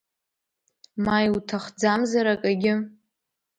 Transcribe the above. Ма иуҭахӡамзар акагьы?